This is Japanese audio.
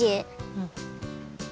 うん。